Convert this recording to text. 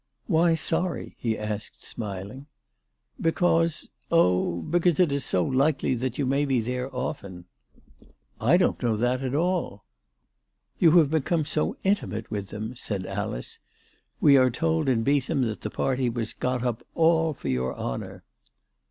"Why sorry ?" he asked, smiling, " Because Oh, because it is so likely that you may be there often." " I don't know that at all." " You have become so intimate with them !" said 388 ALICE DUGDALE. Alice. " We are told in Beetham that the party was got up all for your honour."